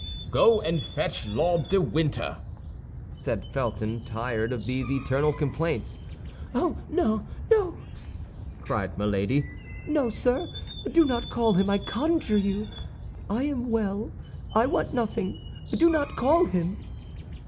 "Go and fetch Lord de Winter," said Felton, tired of these eternal complaints. "Oh, no, no!" cried Milady; "no, sir, do not call him, I conjure you. I am well, I want nothing; do not call him."